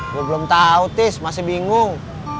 gue belum tahu tis masih bingung